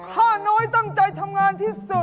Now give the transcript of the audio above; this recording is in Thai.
ถ้าน้อยตั้งใจทำงานที่สุด